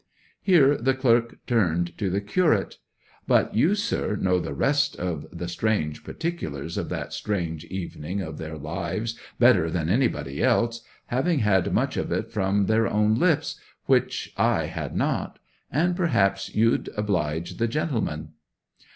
Here the clerk turned to the curate. 'But you, sir, know the rest of the strange particulars of that strange evening of their lives better than anybody else, having had much of it from their own lips, which I had not; and perhaps you'll oblige the gentleman?